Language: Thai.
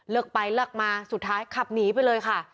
ไปเลือกมาสุดท้ายขับหนีไปเลยค่ะ